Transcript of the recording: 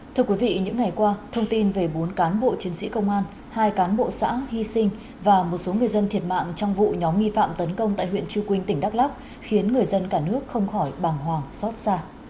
thưa quý vị những ngày qua thông tin về bốn cán bộ chiến sĩ công an hai cán bộ xã hy sinh và một số người dân thiệt mạng trong vụ nhóm nghi phạm tấn công tại huyện chư quynh tỉnh đắk lóc khiến người dân cả nước không khỏi bàng hoàng xót xa